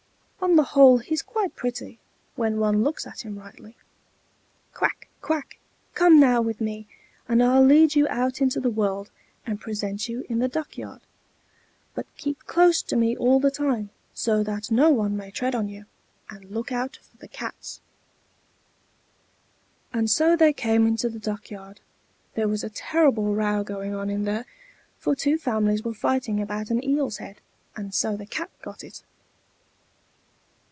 On the whole he's quite pretty, when one looks at him rightly. Quack! quack! come now with me, and I'll lead you out into the world, and present you in the duck yard; but keep close to me all the time, so that no one may tread on you, and look out for the cats." And so they came into the duck yard. There was a terrible row going on in there, for two families were fighting about an eel's head, and so the cat got it.